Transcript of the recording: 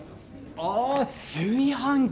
あ「炊飯器」。